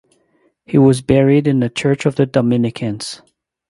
He was buried in the Church of the Dominicans.